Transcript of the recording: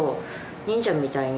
忍者みたいに？